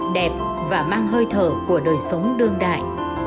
đẹp và mang hơi thở của đời sống đương đại